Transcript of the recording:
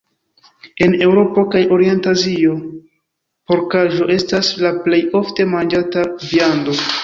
En Eŭropo kaj Orient-Azio porkaĵo estas la plej ofte manĝata viando.